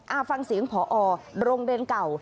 อ้าวฟังสีอิงพอโรงเรียนเก่า